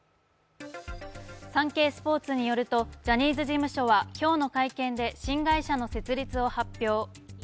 「サンケイスポーツ」によると、ジャニーズ事務所は今日の会見で新会社の設立を発表。